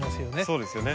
そうですよね。